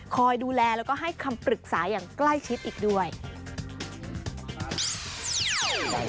คอยดูแลแล้วก็ให้คำปรึกษาอย่างใกล้ชิดอีกด้วย